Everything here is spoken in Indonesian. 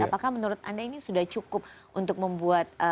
apakah menurut anda ini sudah cukup untuk membuat